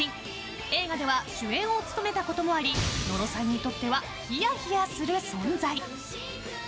映画では主演を務めたこともあり野呂さんにとってはヒヤヒヤする存在。